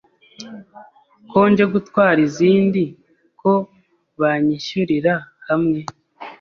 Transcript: ko nje gutwara izindi ko banyishyurira hamwe!!